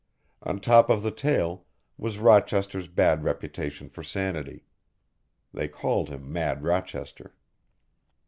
On top of the tale was Rochester's bad reputation for sanity. They called him mad Rochester.